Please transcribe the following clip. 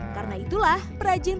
mereka sudah bikin